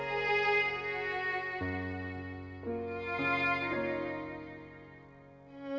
aku mau kemana